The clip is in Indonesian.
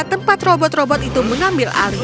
tempat robot robot itu mengambil alih